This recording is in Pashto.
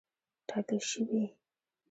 ټاکل شوې.